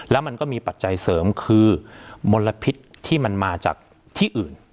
แล้วมันก็มีปัจจัยเสริมคือมลพิษที่มันมาจากที่อื่น